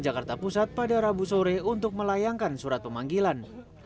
jakarta pusat pada rabu sore untuk melayangkan surat pemanggilan